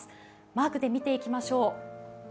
マークで見ていきましょう。